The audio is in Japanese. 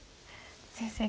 先生